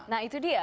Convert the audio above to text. nah itu dia